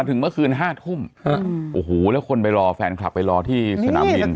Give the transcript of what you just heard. กลับถึงเมื่อคืน๕ธุมแล้วคนนไปรอแฟนคลับไปรอที่สนามวิน